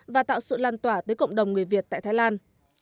và tạo sự lan tỏa tới cộng đồng người việt tại thái lan